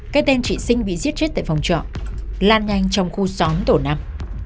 các tên trị sinh bị giết chết tại phòng trọ lan nhanh trong khu xóm tổ năm